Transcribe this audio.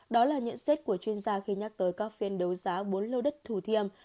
đó là nhận xét của chuyên gia khi nhắc tới các phiên đấu giá bốn lô đất thủ thiêm